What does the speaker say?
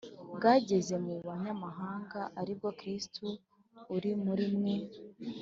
bwageze mu banyamahanga ari bwo Kristo uri muri mwe